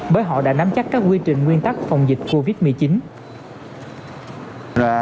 bởi họ đã nắm chắc các quy trình nguyên tắc phòng dịch covid một mươi chín